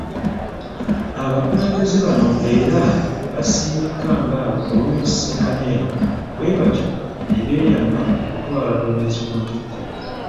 Abakulembeze bano era baasiimye Kkangaawo olw'ensisinkano eno bwebatyo ne beeyama okutwala Bulemeezi ku ntikko.